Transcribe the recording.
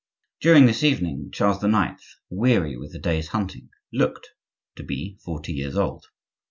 During this evening Charles IX., weary with the day's hunting, looked to be forty years old.